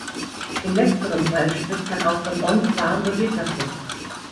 In letzterem Fall spricht man auch von On-Farm-Bewirtschaftung.